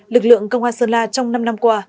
lực lượng công an sơn la trong năm năm qua